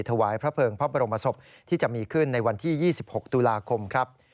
ถวายพระเภิงพระบรมศพที่จะมีขึ้นในวันที่๒๖ตุลาคมครับ